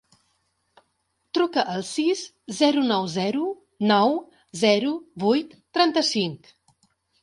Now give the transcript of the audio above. Truca al sis, zero, nou, zero, nou, zero, vuit, trenta-cinc.